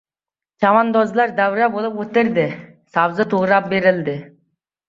Chavandozlar davra bo‘lib o‘tirdi. Sabzi to‘g‘rab berdi.